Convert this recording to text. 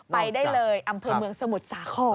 ไปได้เลยอำเภอเมืองสมุทรสาคร